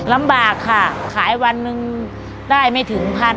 ลำบากค่ะขายวันหนึ่งได้ไม่ถึงพัน